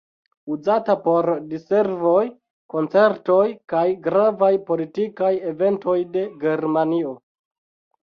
Uzata por diservoj, koncertoj kaj gravaj politikaj eventoj de Germanio.